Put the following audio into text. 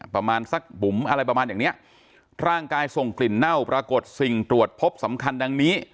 ประมาณสักบุ๋มอะไรประมาณอย่างเนี้ยร่างกายส่งกลิ่นเน่าปรากฏสิ่งตรวจพบสำคัญดังนี้